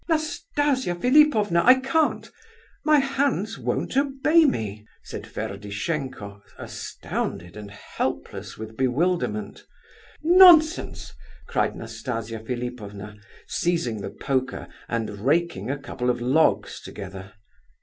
"Nastasia Philipovna, I can't; my hands won't obey me," said Ferdishenko, astounded and helpless with bewilderment. "Nonsense," cried Nastasia Philipovna, seizing the poker and raking a couple of logs together.